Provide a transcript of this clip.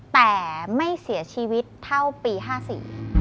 แต่ไม่เสียชีวิตเท่าปี๑๙๕๔